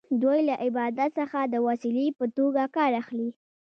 دوی له عبادت څخه د وسیلې په توګه کار اخلي.